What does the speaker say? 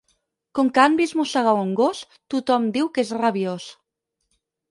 Com que han vist mossegar un gos, tothom diu que és rabiós.